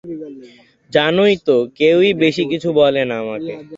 জানোই তো কেউই বেশি কিছু বলে না আমাকে।